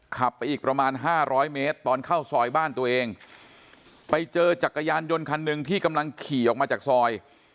ขับไปอีกประมาณห้าร้อยเมตรตอนเข้าซอยบ้านตัวเองไปเจอจักรยานยนต์คันหนึ่งที่กำลังขี่ออกมาจากซอย